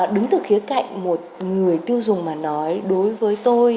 đứng từ khía cạnh một người tiêu dùng mà nói đối với tôi